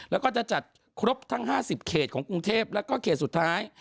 แล้วก็จะจัดครบทั้ง๕๐เขตของกรุงเทพแล้วก็เขตสุดท้าย